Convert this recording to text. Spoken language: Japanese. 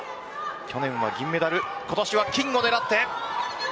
去年は銀メダル今年は金を狙って。